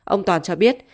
ông toàn cho biết